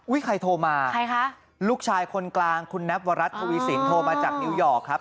ใครโทรมาใครคะลูกชายคนกลางคุณแนบวรัฐทวีสินโทรมาจากนิวยอร์กครับ